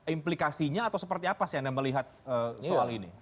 implikasinya atau seperti apa sih anda melihat soal ini